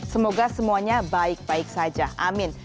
semoga semuanya baik baik saja amin